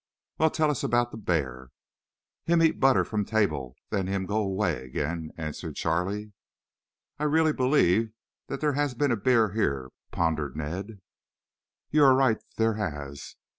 "Well, tell us about the bear." "Him eat butter from table, then him go way again," answered Charlie. "I really believe there has been a bear here," pondered Ned. "You are right there has.